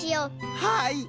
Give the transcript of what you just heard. はい。